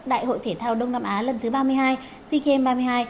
đại hội thể thao đông nam á lần thứ ba mươi hai sea games ba mươi hai